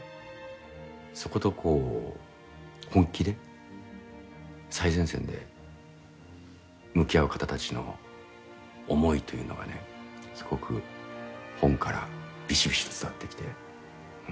そことこう本気で最前線で向き合う方たちの思いというのがねすごく本からびしびしと伝わってきて。